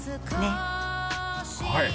はい！